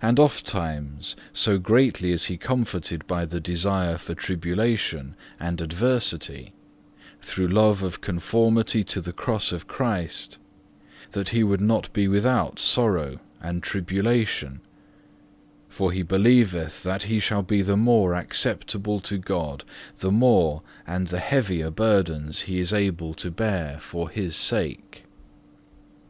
And ofttimes so greatly is he comforted by the desire for tribulation and adversity, through love of conformity to the Cross of Christ, that he would not be without sorrow and tribulation; for he believeth that he shall be the more acceptable to God, the more and the heavier burdens he is able to bear for His sake.